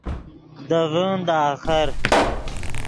دے ڤین دے آخر